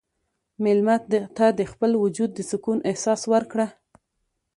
مېلمه ته د خپل وجود د سکون احساس ورکړه.